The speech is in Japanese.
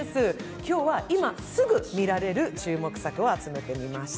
今日は、今すぐ見られる注目作を集めてみました。